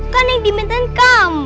kan yang dimintain kamu